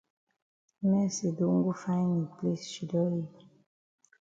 Mercy don go find yi place shidon yi.